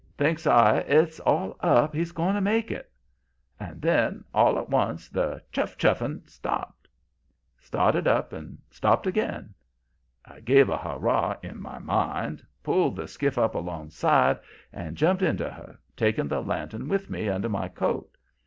Thinks I: 'It's all up. He's going to make it.' "And then, all at once, the 'chuff chuff ing' stopped. Started up and stopped again. I gave a hurrah, in my mind, pulled the skiff up alongside and jumped into her, taking the lantern with me, under my coat.